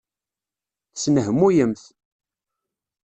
Tesnehmuyemt.